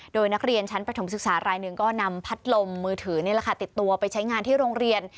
โดยนักเรียนชั้นประถมศึกษารายหนึ่งก็นำพัดลมมือถือนี่แหละค่ะติดตัวไปใช้งานที่โรงเรียน